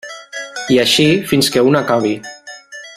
I així fins que un acabi.